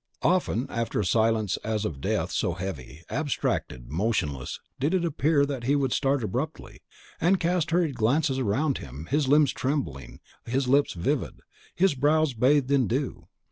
Often after a silence as of death so heavy, abstracted, motionless, did it appear he would start abruptly, and cast hurried glances around him, his limbs trembling, his lips livid, his brows bathed in dew.